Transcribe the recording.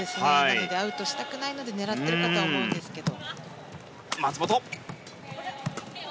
アウトしたくないので狙っていると思うんですけど。